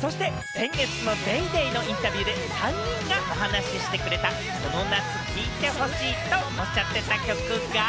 そして先月の『ＤａｙＤａｙ．』のインタビューで、３人がお話してくれた、この夏、聴いてほしいとおっしゃってた曲が。